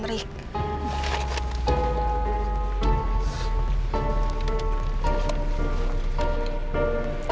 n breakfast ini aku cat bass nih